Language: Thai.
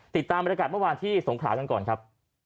ติดตามบรรยากาศเมื่อวานที่สงขลากันก่อนครับ